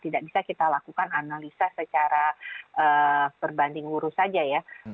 tidak bisa kita lakukan analisa secara berbanding lurus saja ya